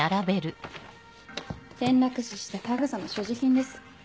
転落死した田草の所持品です。